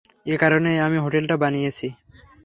একারণেই আমি হোটেলটা বানিয়েছি।